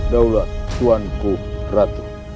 daulat tuanku ratu